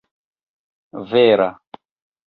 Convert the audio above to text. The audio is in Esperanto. vera